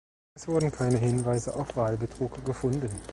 Es wurden keine Hinweise auf Wahlbetrug gefunden.